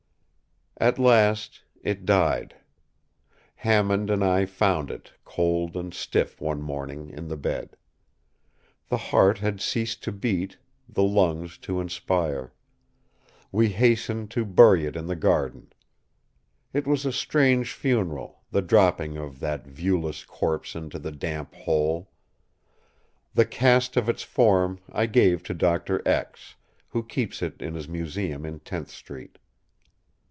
At last it died. Hammond and I found it cold and stiff one morning in the bed. The heart had ceased to beat, the lungs to inspire. We hastened to bury it in the garden. It was a strange funeral, the dropping of that viewless corpse into the damp hole. The cast of its form I gave to Doctor X——, who keeps it in his museum in Tenth Street.